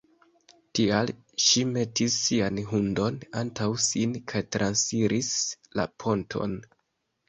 Tial ŝi metis sian hundon antaŭ sin kaj transiris la ponton.